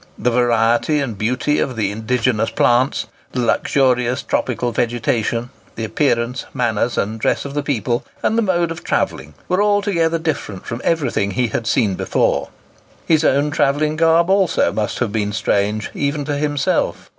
The variety and beauty of the indigenous plants, the luxurious tropical vegetation, the appearance, manners, and dress of the people, and the mode of travelling, were altogether different from everything he had before seen. His own travelling garb also must have been strange even to himself.